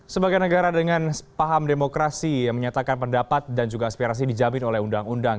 sebagai negara dengan paham demokrasi yang menyatakan pendapat dan juga aspirasi dijamin oleh undang undang